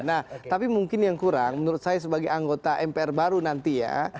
nah tapi mungkin yang kurang menurut saya sebagai anggota mpr baru nanti ya